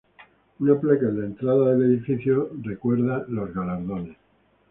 Una placa en la entrada al edificio recuerda los galardones.